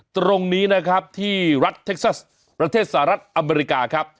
ตรงนี้นะครับที่รัฐเท็กซัสประเทศสหรัฐอเมริกาครับ